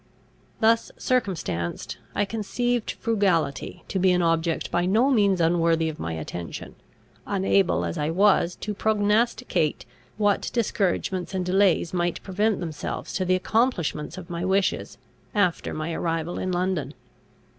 Thus circumstanced, I conceived frugality to be an object by no means unworthy of my attention, unable as I was to prognosticate what discouragements and delays might present themselves to the accomplishment of my wishes, after my arrival in London.